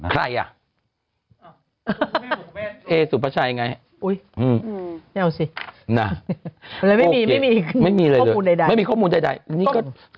ใครอ่ะเอสุปชัยไงไม่เอาสิแล้วไม่มีข้อมูลใด